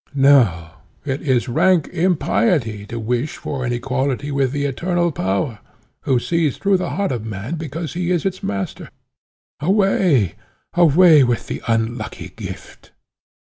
No; it is rank impiety to wish for an equality with the Eternal Power, who sees through the heart of man, because he is its master. Away, away with the unlucky gift!"